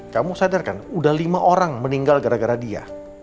kamu sadarkan udah lima orang meninggal gara gara dia